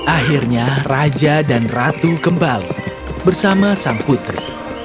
akhirnya raja dan ratu kembali bersama sang putri